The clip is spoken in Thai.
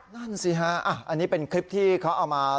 นั่นสิฮะอันนี้เป็นคลิปที่เขาเอามา